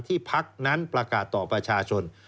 ที่ภาคนั้นประกาศต่อประชาชน